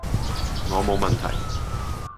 我冇問題